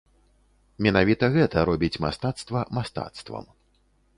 Менавіта гэта робіць мастацтва мастацтвам.